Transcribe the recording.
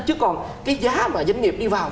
chứ còn cái giá mà doanh nghiệp đi vào